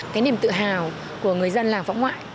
cái niềm tự hào của người dân làng võ ngoại